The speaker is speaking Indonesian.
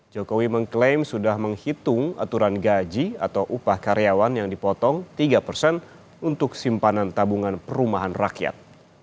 jokowi mengklaim sudah menghitung aturan gaji atau upah karyawan yang dipotong tiga persen untuk simpanan tabungan perumahan rakyat